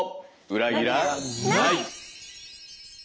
裏切らない！